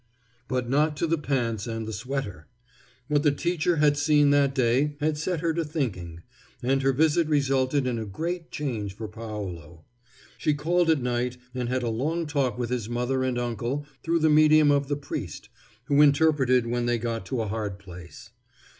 But not to the pants and the sweater. What the teacher had seen that day had set her to thinking, and her visit resulted in a great change for Paolo. She called at night and had a long talk with his mother and uncle through the medium of the priest, who interpreted when they got to a hard place.